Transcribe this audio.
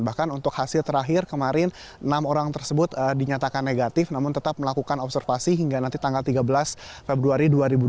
bahkan untuk hasil terakhir kemarin enam orang tersebut dinyatakan negatif namun tetap melakukan observasi hingga nanti tanggal tiga belas februari dua ribu dua puluh